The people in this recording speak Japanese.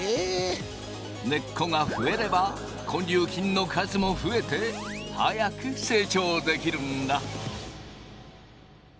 根っこが増えれば根粒菌の数も増えて早く成長できるんだ。